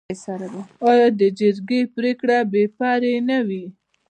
آیا د جرګې پریکړه بې پرې نه وي؟